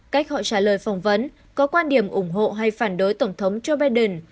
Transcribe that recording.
cách họ trả lời phỏng vấn có quan điểm ủng hộ hay phản đối tổng thống joe biden